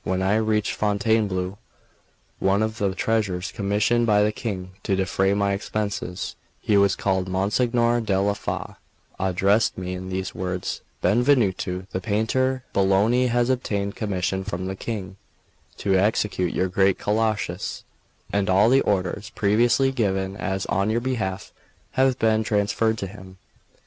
When I reached Fontainebleau, one of the treasurers commissioned by the King to defray my expenses (he was called Monsignor della Fa 1) addressed me in these words: "Benvenuto, the painter Bologna has obtained commission from the King to execute your great Colossus, and all the orders previously given as on your behalf have been transferred to him.